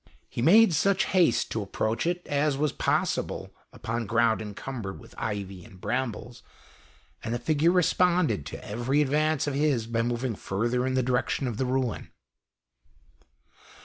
He made such 70 THE EASTERN WINDOW. haste to approacli it as was possible upon ground encumbered with ivy and brambles, and the figure responded to every advance of his by moving further in the direction of the ruin.